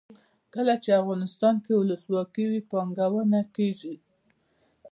کله چې افغانستان کې ولسواکي وي پانګونه کیږي.